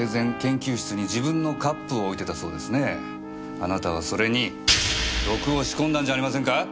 あなたはそれに毒を仕込んだんじゃありませんか？